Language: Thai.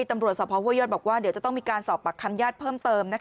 ตำรวจสภห้วยยอดบอกว่าเดี๋ยวจะต้องมีการสอบปากคำญาติเพิ่มเติม